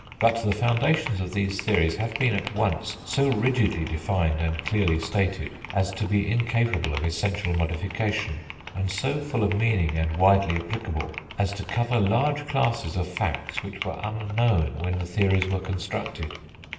But the foundations of these theories have been at once so rigidly defined and clearly stated as to be incapable of essential modification, and so full of meaning and widely applicable as to cover large classes of facts which were unknown when the theories were constructed.